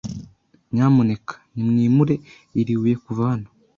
Nyamuneka nimwimure iri buye kuva hano